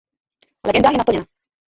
Legenda je naplněna.